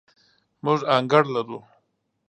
موږ انګړ لرو